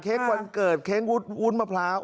เค้กวันเกิดวุ้นมะพร้า